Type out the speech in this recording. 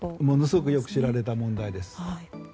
ものすごくよく知られた問題です。